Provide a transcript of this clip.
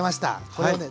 これはね